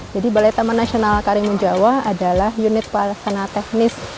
jadi balai taman nasional karimun jawa adalah unit pelestarian teknis